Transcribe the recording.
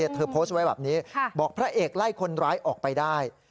เธอโพสต์ไว้แบบนี้บอกพระเอกไล่คนร้ายออกไปได้